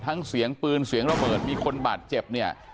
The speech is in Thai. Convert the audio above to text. ทั้งเสียงปืนเสียงระเบิดมีคนบาดเจ็บ